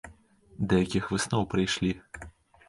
Да якіх высноў прыйшлі?